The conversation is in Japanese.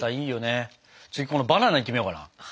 次このバナナいってみようかな。